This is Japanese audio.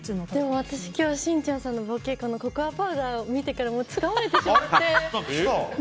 私今日しんちゃんさんのボケココアパウダー見てからつかまれてしまって。